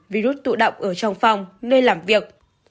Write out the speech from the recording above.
virus tụ động ở trong phòng nơi làm việc